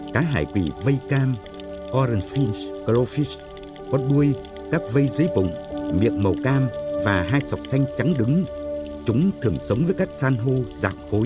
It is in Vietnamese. cá hải quỳ màu vàng orangefish glowfish có bụi các vây dưới bụng miệng màu cam và hai sọc xanh trắng đứng chúng thường sống với các san hô dạng khối